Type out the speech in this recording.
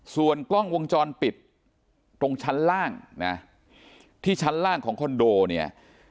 ส่วนกล้องวงจรปิดตรงชั้นล่างนะที่ชั้นล่างของคอนโดเนี่ย